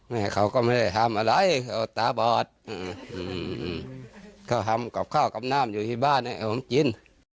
แม่เขาก็ไม่ได้ทำอะไรตาบอดเขาทำกับข้าวกำนามอยู่ที่บ้านเนี่ยผมจิ้น